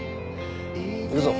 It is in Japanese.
行くぞ。